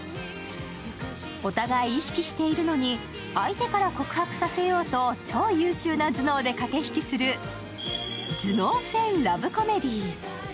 お互い意識しているのに相手から告白させようと超優秀な頭脳で駆引きする頭脳戦ラブコメディー。